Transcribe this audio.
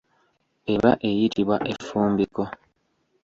Eba eyitibwa effumbiko.